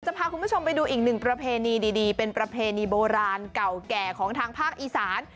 พาคุณผู้ชมไปดูอีกหนึ่งประเพณีดีเป็นประเพณีโบราณเก่าแก่ของทางภาคอีสาน